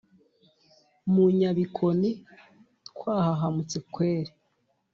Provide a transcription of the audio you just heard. mu nyabikoni twahahamutse kweri